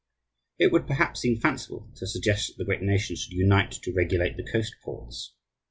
It would perhaps seem fanciful to suggest that the great nations should unite to regulate the coast ports.